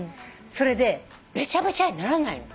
それでべちゃべちゃにならないの。